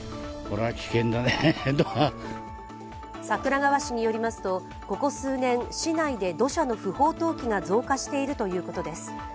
桜川市によりますと、ここ数年、市内で土砂の不法投棄が増加しているということです。